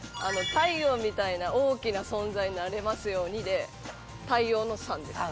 「太陽みたいな大きな存在になれますように」で太陽のサンです。